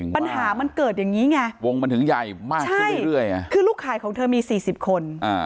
ปัญหามันเกิดอย่างนี้ไงวงมันถึงใหญ่มากขึ้นเรื่อยคือลูกขายของเธอมี๔๐คน